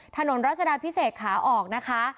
รัชดาพิเศษขาออกนะคะ